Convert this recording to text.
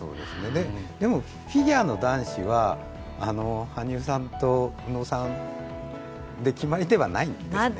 でもフィギュアの男子は、羽生さんと宇野さんで決まりではないんですね。